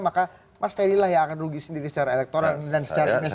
maka mas ferry lah yang akan rugi sendiri secara elektoral dan secara nasional